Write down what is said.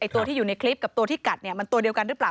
ตัวที่อยู่ในคลิปกับตัวที่กัดมันตัวเดียวกันหรือเปล่า